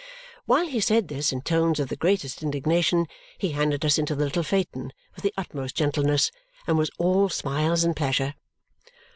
While he said this in tones of the greatest indignation, he handed us into the little phaeton with the utmost gentleness and was all smiles and pleasure.